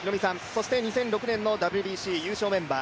そして、２００６年のＷＢＣ優勝メンバー